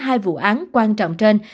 hai vụ án quan trọng trên